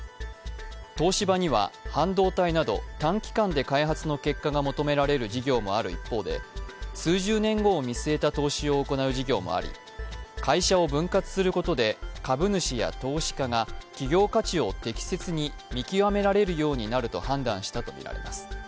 東芝には半導体など短期間で開発の結果が求められる事業がある一方で数十年後を見据えた投資を行う事業もあり会社を分割することで株主や投資家が企業価値を適切に見極められるようになると判断したとみられます。